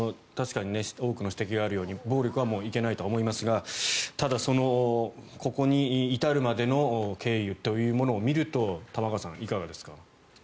確かに多くの指摘があるように暴力はいけないとは思いますがただ、ここに至るまでの経緯というものを見ると玉川さん、いかがですか。